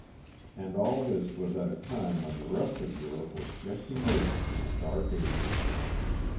And all this was at a time when the rest of Europe was just emerging from the Dark Ages.